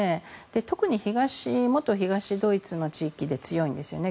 特に元東ドイツの地域で強いんですよね。